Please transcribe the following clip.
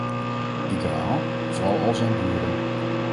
Ik herhaal, voor al zijn buren.